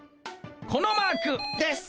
このマーク。です。